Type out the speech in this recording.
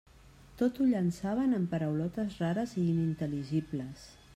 Tot ho llançaven amb paraulotes rares i inintel·ligibles.